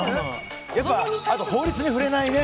あとは法律に触れないね。